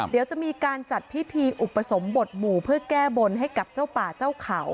เดี๋ยวจะมีการจัดพิธีอุปสมบทหมู่เพื่อแก้บนให้กับเจ้าป่าเจ้าเขา